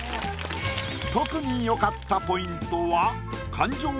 特によかったポイントは。